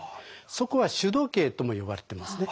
そこは主時計とも呼ばれてますね。